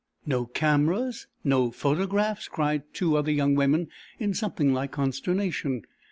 "No cameras! No photographs?" cried two other young women, in something like consternation.